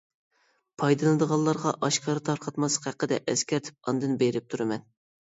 پايدىلىنىدىغانلارغا، ئاشكارا تارقاتماسلىق ھەققىدە ئەسكەرتىپ ئاندىن بېرىپ تۇرىمەن.